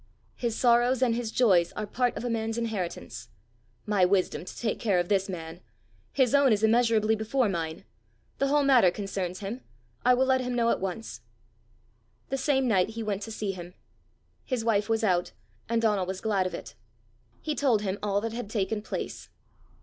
His sorrows and his joys are part of a man's inheritance. My wisdom is to take care of this man! his own is immeasurably before mine! The whole matter concerns him: I will let him know at once!" The same night he went to see him. His wife was out, and Donal was glad of it. He told him all that had taken place.